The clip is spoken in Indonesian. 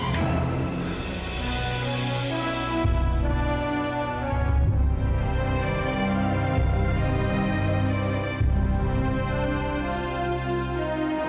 dia kasih ke aku